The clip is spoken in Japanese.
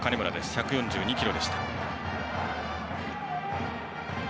１４２キロでした。